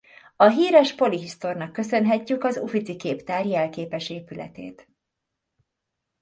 A híres polihisztornak köszönhetjük az Uffizi képtár jelképes épületét.